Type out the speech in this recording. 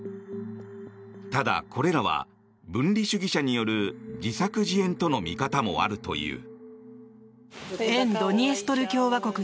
ただ、これらは分離主義者による自作自演との見方もあるという。